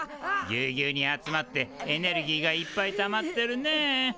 ギュギュに集まってエネルギーがいっぱいたまってるねえ。